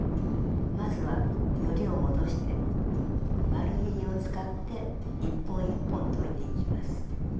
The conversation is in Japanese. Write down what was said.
まずはよりを戻して丸ぎりを使って１本１本といていきます。